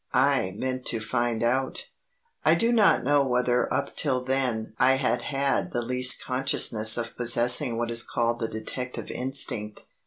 I meant to find out. I do not know whether up till then I had had the least consciousness of possessing what is called the detective instinct.